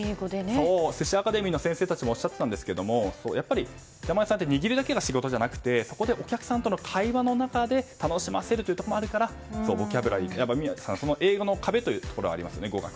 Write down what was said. すしアカデミーの先生たちもおっしゃっていたんですがやっぱり、板前さんは握るだけが仕事じゃなくてそこでお客さんとの会話の中で楽しませることもあるからボキャブラリー、語学の英語の壁というのはありますよね。